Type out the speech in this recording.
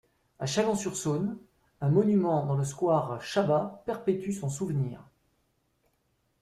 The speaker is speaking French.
À Chalon-sur-Saône, un monument dans le square Chabas perpétue son souvenir.